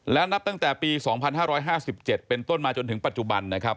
และนับตั้งแต่ปี๒๕๕๗เป็นต้นมาจนถึงปัจจุบันนะครับ